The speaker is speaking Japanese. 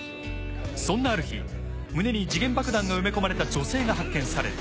そんなある日胸に時限爆弾が埋め込まれた女性が発見される。